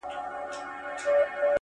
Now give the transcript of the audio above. o هغه به چيري وي ـ